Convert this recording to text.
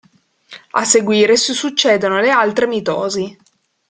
A seguire si succedono le altre mitosi.